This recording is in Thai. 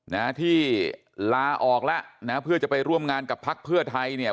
นะที่ลาออกแล้วนะเพื่อจะไปร่วมงานกับพักเพื่อไทยเนี่ย